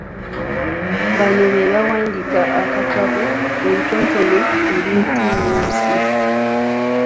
Bano be baawandiika akatabo “Ebitontome eby’entunnunsi".